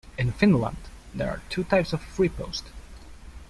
In Finland, there are two types of freepost.